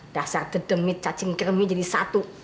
dasar dedemit cacing kermi jadi satu